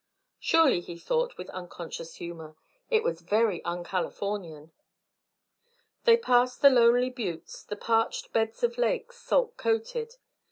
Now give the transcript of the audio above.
Surely, he thought with unconscious humour, it was very un Californian. They passed the lonely buttes, the parched beds of lakes, salt coated.